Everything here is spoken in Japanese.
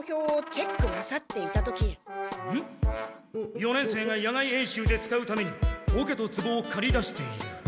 四年生が野外演習で使うために桶と壺をかり出している。